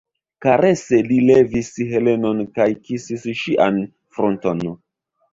Karese li levis Helenon kaj kisis ŝian frunton.